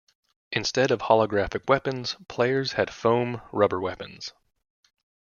Instead of holographic weapons, players had foam-rubber weapons.